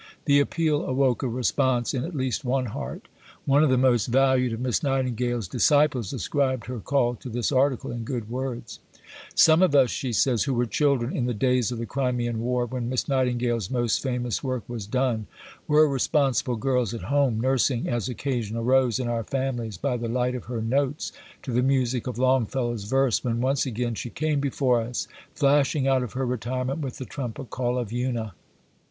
The appeal awoke a response in at least one heart. One of the most valued of Miss Nightingale's disciples ascribed her call to this article in Good Words. "Some of us," she says, "who were children in the days of the Crimean War when Miss Nightingale's most famous work was done, were responsible girls at home, nursing as occasion arose in our families, by the light of her Notes, to the music of Longfellow's verse, when once again she came before us, flashing out of her retirement with the trumpet call of 'Una.'"